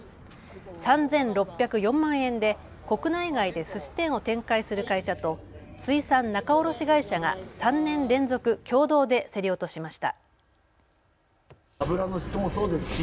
３６０４万円で国内外ですし店を展開する会社と水産仲卸会社が３年連続共同で競り落としました。